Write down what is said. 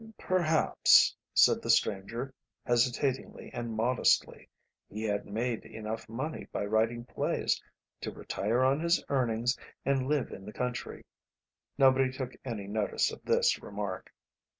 "Perhaps," said the stranger, hesitatingly and modestly, "he had made enough money by writing plays to retire on his earnings and live in the country." Nobody took any notice of this remark.